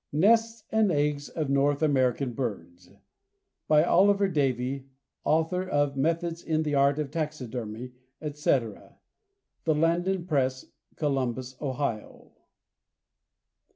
=Nests and Eggs of North American Birds=, by Oliver Davie, author of "Methods in the Art of Taxidermy," etc. The Landon Press, Columbus, Ohio.